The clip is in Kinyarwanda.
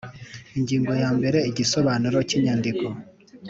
Ingingo ya mbere Igisobanuro cy inyandiko